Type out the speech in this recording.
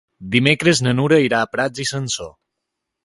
Dimecres na Nura irà a Prats i Sansor.